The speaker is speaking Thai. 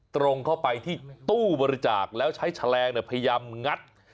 ตรงเข้าไปที่ตู้บริจาคแล้วใช้แฉลงพยายามงัด